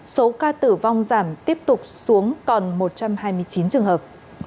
số ca tử vong giảm tiếp tục xuống còn một trăm hai mươi chín trường hợp